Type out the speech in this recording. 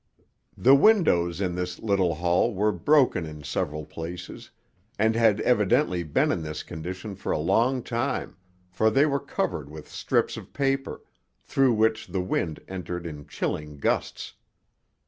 The windows in this little hall were broken in several places, and had evidently been in this condition for a long time, for they were covered with strips of paper, through which the wind entered in chilling gusts.